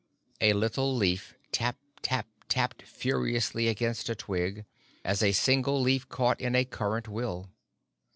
A little leaf tap tap tapped furiously against a twig, as a single leaf caught in a current will.